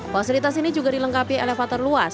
fasilitas ini juga dilengkapi elevator luas